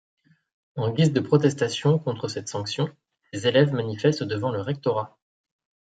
En guise de protestation contre cette sanction, ses élèves manifestent devant le rectorat.